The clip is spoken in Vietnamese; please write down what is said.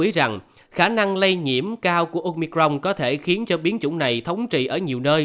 nói rằng khả năng lây nhiễm cao của omicron có thể khiến cho biến chủng này thống trị ở nhiều nơi